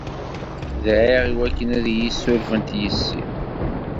Dɛiɣ i wakken ad iyi-ssurfent yessi.